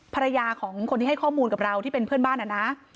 ภรรยาของคนที่ให้ข้อมูลกับเราที่เป็นเพื่อนบ้านนะ